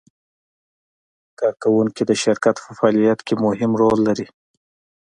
کارکوونکي د شرکت په فعالیت کې مهم رول لري.